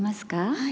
はい。